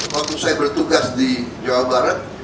waktu saya bertugas di jawa barat